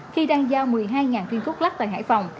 khi đang giao một mươi hai viên thuốc lắc tại hải phòng